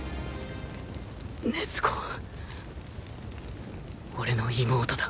禰豆子は俺の妹だ。